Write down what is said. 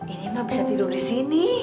ini nggak bisa tidur di sini